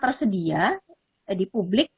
tersedia di publik